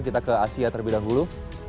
kita ke asia terlebih dahulu